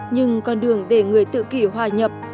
nhưng con đường để người tự kỷ hòa nhập